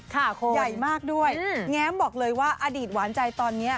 ใหญ่มากด้วยแง้มบอกเลยว่าอดีตหวานใจตอนนี้